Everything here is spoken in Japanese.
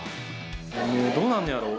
もう、どうなんねやろ。